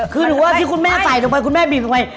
คือหรือว่าที่คุณแม่ใส่ตรงไหนคุณแม่บีบตรงไหน